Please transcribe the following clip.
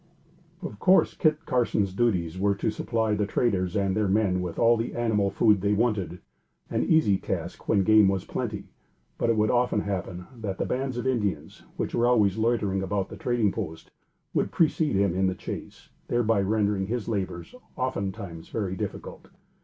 Of course Kit Carson's duties were to supply the traders and their men with all the animal food they wanted, an easy task when game was plenty; but, it would often happen that bands of Indians, which were always loitering about the trading post, would precede him in the chase, thereby rendering his labors oftentimes very difficult.